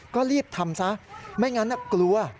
ก็รีบทำซะไม่งั้นกลัว